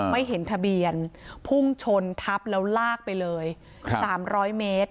ไม่เห็นทะเบียนพุ่งชนทับแล้วลากไปเลย๓๐๐เมตร